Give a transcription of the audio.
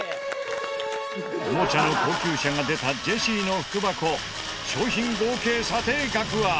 おもちゃの高級車が出たジェシーの福箱商品合計査定額は。